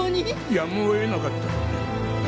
やむをえなかった。